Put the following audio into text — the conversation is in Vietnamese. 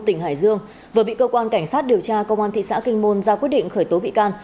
tỉnh hải dương vừa bị cơ quan cảnh sát điều tra công an thị xã kinh môn ra quyết định khởi tố bị can